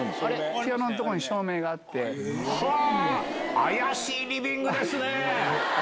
ピアノのところに照明があっ怪しいリビングですね。